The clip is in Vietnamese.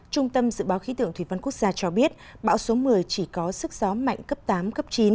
trung tâm dự báo khí tượng thủy văn quốc gia cho biết bão số một mươi chỉ có sức gió mạnh cấp tám cấp chín